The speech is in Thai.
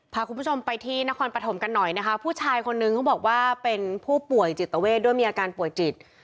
พาคุณผู้ชมไปที่นครปฐมกันหน่อยนะคะผู้ชายคนนึงเขาบอกว่าเป็นผู้ป่วยจิตเวทด้วยมีอาการป่วยจิต